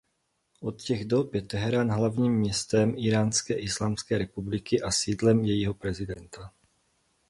Od těch dob je Teherán hlavním městem Íránské islámské republiky a sídlem jejího prezidenta.